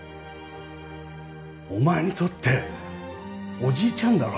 お前にとっておじいちゃんだろ？